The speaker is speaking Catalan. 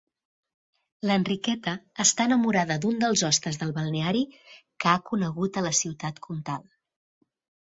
L'Enriqueta està enamorada d'un dels hostes del balneari que ha conegut a la ciutat comtal.